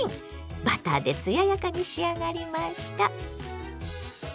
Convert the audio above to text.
バターで艶やかに仕上がりました。